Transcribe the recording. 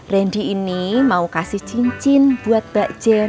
randy ini mau kasih cincin buat mbak jen